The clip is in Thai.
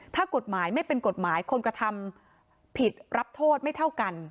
ถ้ากฎหมายไม่เป็นกฎหมายคนกระทำผิดรับโทษไม่เท่ากัน